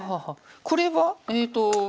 これはえっと